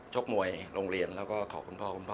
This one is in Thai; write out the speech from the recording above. ชกมวยโรงเรียนแล้วก็ขอคุณพ่อ